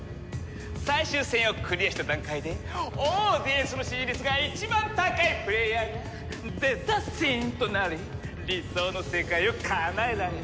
最終戦をクリアした段階でオーディエンスの支持率が一番高いプレイヤーがデザ神となり理想の世界をかなえられる。